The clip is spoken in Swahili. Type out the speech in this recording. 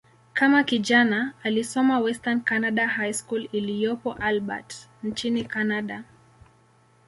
Kama kijana, alisoma "Western Canada High School" iliyopo Albert, nchini Kanada.